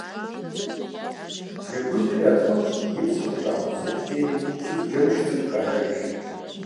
Жэгундэр ятхъунщӏ, и псыр къыщӏакъузыкӏри, уксус бжэмышх цӏыкӏу хакӏэж.